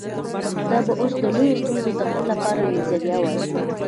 دا به اوس د لویو ستونزو د حل لپاره نظریه وای.